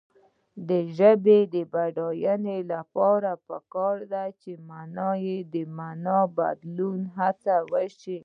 د پښتو ژبې د بډاینې لپاره پکار ده چې معنايي بدلون هڅول شي.